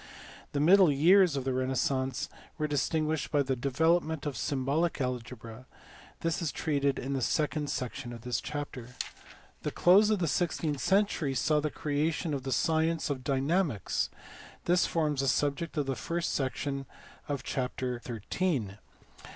The middle years of the renaissance were distinguished by the development of symbolic algebra: this is treated in the second section of this chapter. The close of KEGIOMONTANUS. 205 the sixteenth century saw the creation of the science of dyna mics: this forms the subject of the first section of chapter xin.